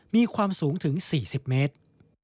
มีความสูงถึง๔๐เมตร